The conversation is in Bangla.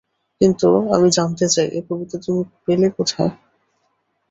কিন্তু আমি জানতে চাই, এ কবিতা তুমি পেলে কোথায়।